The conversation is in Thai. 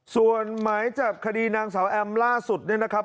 ส่วนหมายจับคดีนางสาวแอมล่าสุดเนี่ยนะครับ